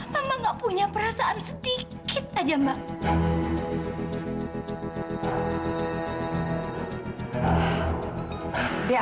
tambah gak punya perasaan sedikit aja mbak